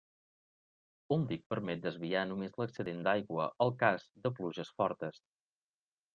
Un dic permet desviar només l'excedent d'aigua al cas de pluges forts.